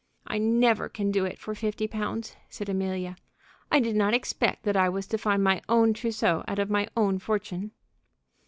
"I never can do it for fifty pounds," said Amelia. "I did not expect that I was to find my own trousseau out of my own fortune."